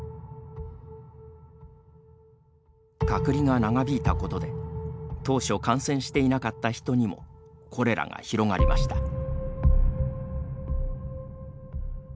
隔離が長引いたことで当初感染していなかった人にもコレラが広がりました。